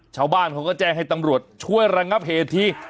ชาวบ้านเขาก็แจ้งให้ตำรวจช่วยระงับเหตุที